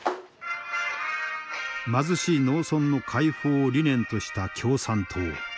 貧しい農村の解放を理念とした共産党。